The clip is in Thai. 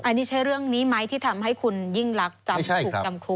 อันนี้ใช่เรื่องนี้ไหมที่ทำให้คุณยื่นลักษณ์จำคลุก